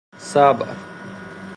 صبع